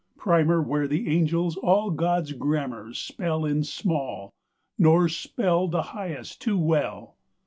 Primer where the angels all God's grammar spell in small, Nor spell The highest too well.